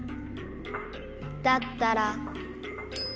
だったら。